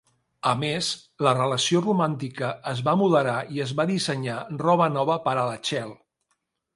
A més, la relació romàntica es va moderar i es va dissenyar roba nova per a la Chel.